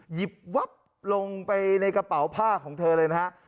หยิบวับลงไปในกระเป๋าผ้าของเธอเลยนะฮะ